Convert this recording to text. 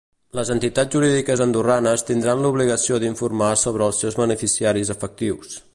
Les entitats jurídiques andorranes tindran l’obligació d’informar sobre els seus beneficiaris efectius.